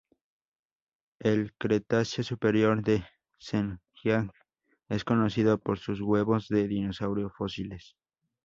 El Cretácico superior de Zhejiang es conocido por sus huevos de dinosaurio fósiles.